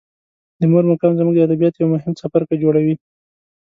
د مور مقام زموږ د ادبیاتو یو مهم څپرکی جوړوي.